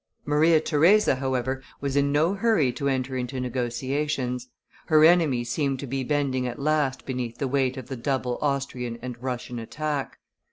Maria Theresa, however, was in no hurry to enter into negotiations; her enemy seemed to be bending at last beneath the weight of the double Austrian and Russian attack.